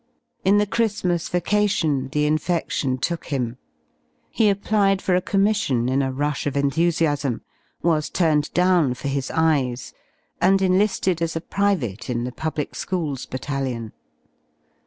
In the Chriftmas vacation the vnfedion took him. He applied for a commission vn a rush of enthusiasm, was turned down for his eyes, and enlisted as a private m the Public Schools Battalion.